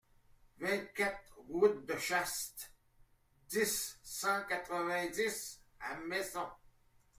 vingt-quatre route de Chaast, dix, cent quatre-vingt-dix à Messon